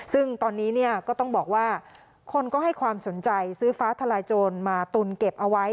ซึ่งตอนนี้เนี่ยก็ต้องบอกว่าคนก็ให้ความสนใจซื้อฟ้าทลายโจรมาตุนเก็บเอาไว้